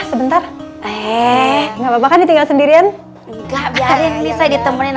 sebentar eh nggak apa apa nih tinggal sendirian enggak biarin bisa ditemani